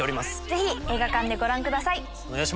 ぜひ映画館でご覧ください。